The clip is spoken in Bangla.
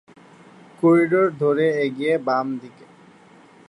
করিডোর ধরে এগিয়ে বাম দিকে।